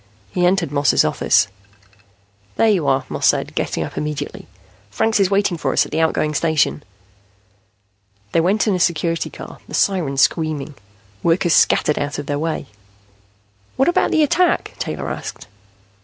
He entered Moss's office. "There you are," Moss said, getting up immediately. "Franks is waiting for us at the outgoing station." They went in a Security Car, the siren screaming. Workers scattered out of their way. "What about the attack?" Taylor asked.